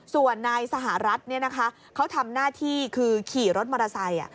ส่วนนายสหรัฐเขาทำหน้าที่คือขี่รถมอเตอร์ไซค์